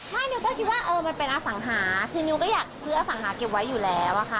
นิวก็คิดว่าเออมันเป็นอสังหาคือนิวก็อยากซื้ออสังหาเก็บไว้อยู่แล้วอะค่ะ